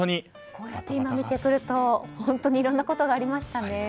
こうやって見てくると、本当にいろんなことがありましたね。